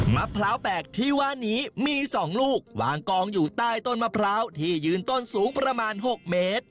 มะพร้าวแปลกที่ว่านี้มี๒ลูกวางกองอยู่ใต้ต้นมะพร้าวที่ยืนต้นสูงประมาณ๖เมตร